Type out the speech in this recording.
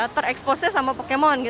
tereksposnya sama pokemon